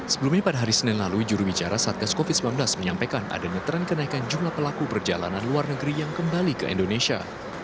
sebelumnya pada hari senin lalu jurubicara satgas covid sembilan belas menyampaikan adanya tren kenaikan jumlah pelaku perjalanan luar negeri yang kembali ke indonesia